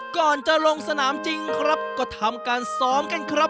ก่อนจะลงสนามจริงครับก็ทำการซ้อมกันครับ